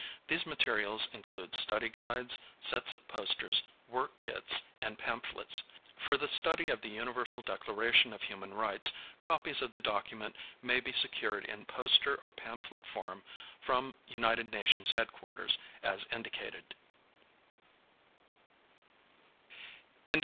These materials include study guides, sets of posters, work kits, and pamphlets. For the study of the Universal Declaration of Human Rights, copies of the document may be secured in poster or pamphlet form from United Nations Headquarters as indicated.